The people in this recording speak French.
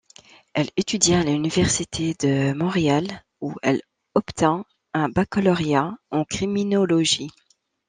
Elle étudia à l'Université de Montréal, où elle obtint un baccalauréat en criminologie.